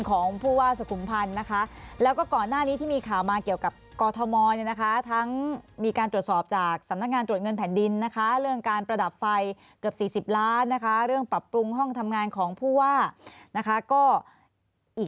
ของผู้ว่าสุขุมพันธ์นะคะแล้วก็ก่อนหน้านี้ที่มีข่าวมาเกี่ยวกับกอทมเนี่ยนะคะทั้งมีการตรวจสอบจากสำนักงานตรวจเงินแผ่นดินนะคะเรื่องการประดับไฟเกือบ๔๐ล้านนะคะเรื่องปรับปรุงห้องทำงานของผู้ว่านะคะก็อีก